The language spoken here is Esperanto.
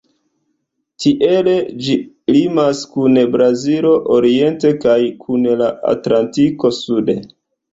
Tiele ĝi limas kun Brazilo oriente kaj kun la Atlantiko sude.